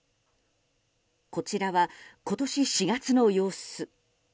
こちらは、今年４月の様子。